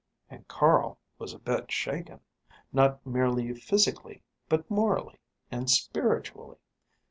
And Carl was a bit shaken, not merely physically, but morally and spiritually.